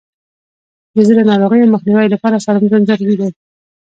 د زړه ناروغیو مخنیوي لپاره سالم ژوند ضروري دی.